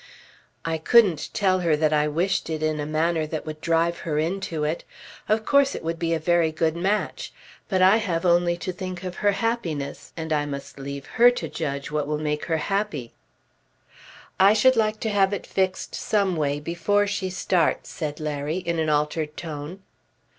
"I couldn't tell her that I wished it in a manner that would drive her into it. Of course it would be a very good match. But I have only to think of her happiness and I must leave her to judge what will make her happy." "I should like to have it fixed some way before she starts," said Larry in an altered tone.